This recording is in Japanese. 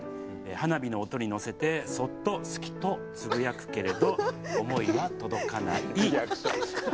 花火の音に乗せてそっと『好き』とつぶやくけれど思いは届かない」という。